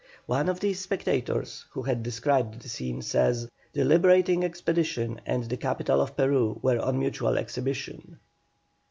One of these spectators, who has described the scene, says: "The Liberating expedition and the capital of Peru were on mutual exhibition."